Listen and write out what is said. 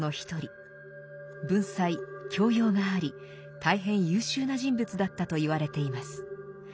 文才教養があり大変優秀な人物だったといわれています。